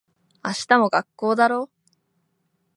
明日も学校だろ。